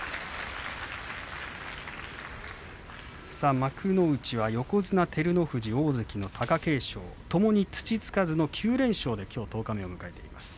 幕内は横綱照ノ富士大関貴景勝ともに土つかずの９連勝できょう十日目を迎えています。